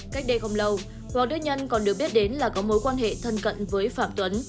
cách đây không lâu hoàng đưa nhân còn được biết đến là có mối quan hệ thân cận với phạm tuấn